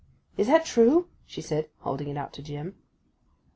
is that true?' she said, holding it out to Jim.